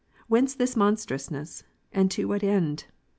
Whence this monstrousness? and to what end?